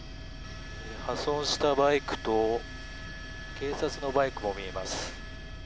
破損したバイクと警察のバイクも見えます。